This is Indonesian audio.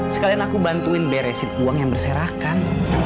sekalian aku bantuin beresin uang yang berserakan